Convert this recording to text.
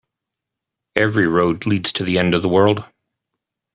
Every road leads to the end of the world.